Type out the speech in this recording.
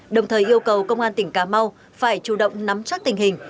đồng thời yêu cầu công an tỉnh cà mau phải chủ động nắm chắc tình hình